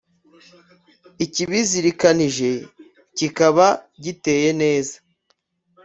ikibizirikanije kikaba giteye neza